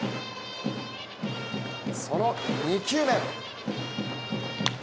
その２球目。